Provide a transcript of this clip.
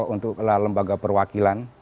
untuk lembaga perwakilan